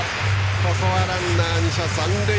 ここはランナー２者残塁。